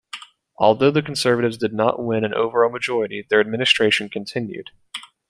Although the Conservatives did not win an overall majority, their administration continued.